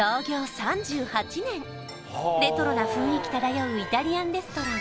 レトロな雰囲気漂うイタリアンレストラン